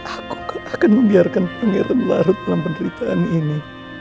aku akan membiarkan pangeran larut dalam penderitaan ini